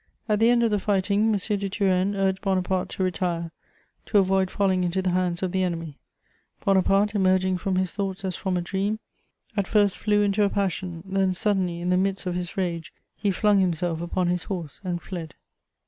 At the end of the fighting, M. de Turenne urged Bonaparte to retire, to avoid falling into the hands of the enemy: Bonaparte, emerging from his thoughts as from a dream, at first flew into a passion; then, suddenly, in the midst of his rage, he flung himself upon his horse and fled.